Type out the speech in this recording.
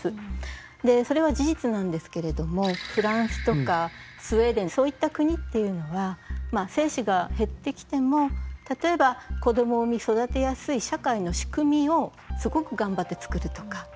それは事実なんですけれどもフランスとかスウェーデンそういった国っていうのは精子が減ってきても例えば子どもを産み育てやすい社会の仕組みをすごく頑張って作るとか。